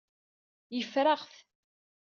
Yeffer-aɣ-t.